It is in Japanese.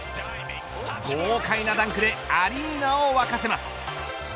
豪快なダンクでアリーナを沸かせます。